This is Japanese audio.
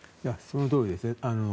そのとおりです。